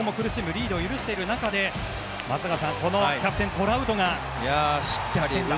リードを許す中で松坂さんこのキャプテン、トラウトが逆転打。